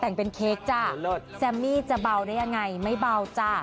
แต่งเป็นเค้กจ้ะแซมมี่จะเบาได้ยังไงไม่เบาจ้ะ